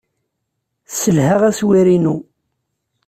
Sselhaɣ aswir-inu.